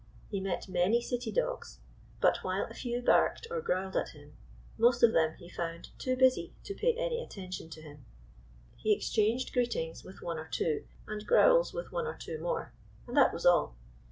He met many city dogs; but while a few barked or growled at him, most of them he found too busy to pay any attention to him. He exchanged greetings with one or two, and growls with one or two more, and that was all.